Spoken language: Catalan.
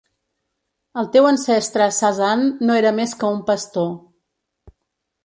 El teu ancestre Sasan no era més que un pastor.